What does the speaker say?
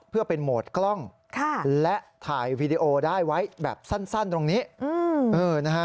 เพื่อเป็นโหมดกล้องและถ่ายวีดีโอได้ไว้แบบสั้นตรงนี้นะฮะ